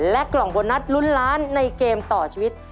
กล่องโบนัสลุ้นล้านในเกมต่อชีวิต